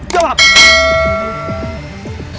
jawab pertanyaan gue